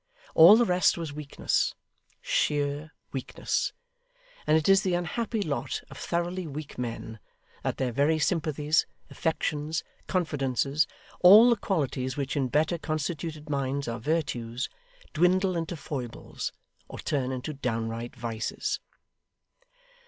All the rest was weakness sheer weakness; and it is the unhappy lot of thoroughly weak men, that their very sympathies, affections, confidences all the qualities which in better constituted minds are virtues dwindle into foibles, or turn into downright vices.